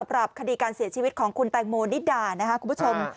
สำหรับคดีการเสียชีวิตของคุณแตงโมนิดานะครับคุณผู้ชม